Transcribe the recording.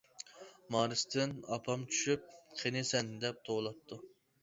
مارستىن ئاپام چۈشۈپ، ‹ ‹قېنى سەن› › دەپ توۋلاپتۇ.